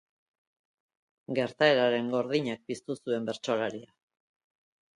Gertaeraren gordinak piztu zuen bertsolaria.